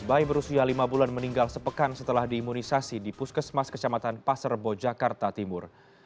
bayi berusia lima bulan meninggal sepekan setelah diimunisasi di puskesmas kecamatan pasar bojakarta timur